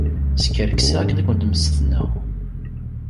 Skerkseɣ akken ad kent-mmestneɣ.